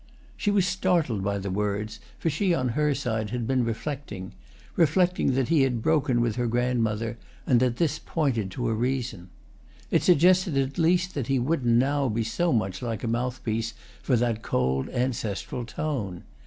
She was startled by the words, for she on her side had been reflecting—reflecting that he had broken with her grandmother and that this pointed to a reason. It suggested at least that he wouldn't now be so much like a mouthpiece for that cold ancestral tone.